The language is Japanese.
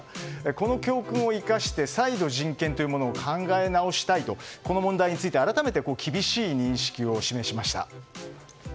この教訓を生かして再度、人権というものを考え直したいとこの問題について改めて、厳しい認識を示しました。